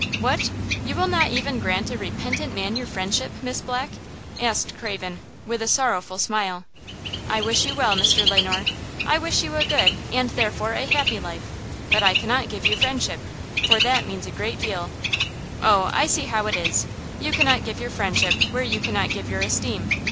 "What! you will not even grant a repentant man your friendship, Miss Black?" asked Craven, with a sorrowful smile. "I wish you well, Mr. Le Noir. I wish you a good and, therefore, a happy life; but I cannot give you friendship, for that means a great deal." "Oh, I see how it is! You cannot give your friendship where you cannot give your esteem.